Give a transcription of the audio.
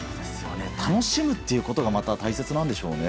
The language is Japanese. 楽しむということがまた大切なんでしょうね。